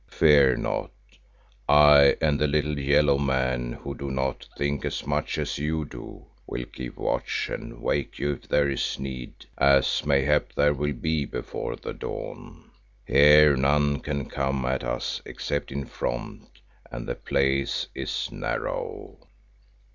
Fear not, I and the little yellow man who do not think as much as you do, will keep watch and wake you if there is need, as mayhap there will be before the dawn. Here none can come at us except in front, and the place is narrow."